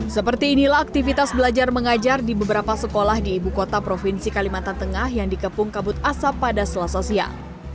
seperti inilah aktivitas belajar mengajar di beberapa sekolah di ibu kota provinsi kalimantan tengah yang dikepung kabut asap pada selasa siang